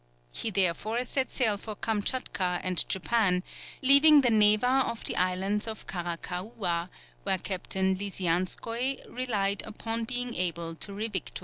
He therefore set sail for Kamtchatka and Japan, leaving the Neva off the island of Karakakoua, where Captain Lisianskoï relied upon being able to revictual.